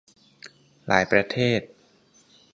หลายประเทศ